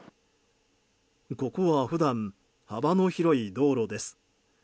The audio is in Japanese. ここは普段、幅の広い道路です。